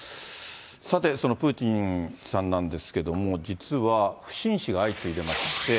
さて、そのプーチンさんなんですけれども、実は不審死が相次いでいまして。